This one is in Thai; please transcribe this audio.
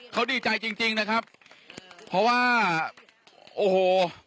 เขาดีใจจริงจริงนะครับเพราะว่าโอ้โห